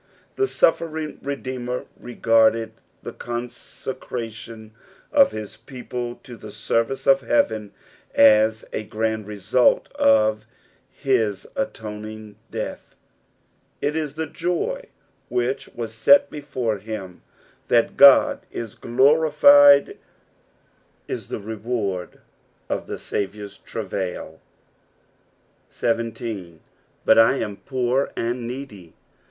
The suffering Redeemer regarded the consecration of his people to the service of heaven as a grand result of his atoning death ; it is the joy which was set before him ; that God is glorified is the reward of the Saviour's travail, 17. " B'lt I ata poor and needy.